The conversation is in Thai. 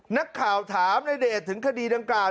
นักข่าวถามในเดชถึงคดีดังกล่าว